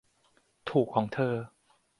ถูกของเธอ